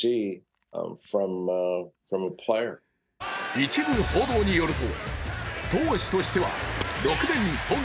一部報道によると、投手としては６年総額